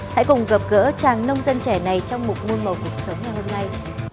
hãy cùng gặp gỡ chàng nông dân trẻ này trong một ngôi màu cuộc sống ngày hôm nay